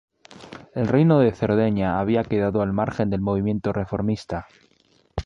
El reino de Cerdeña había quedado al margen del movimiento reformista.